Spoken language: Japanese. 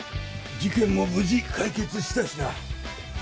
事件も無事解決したしな。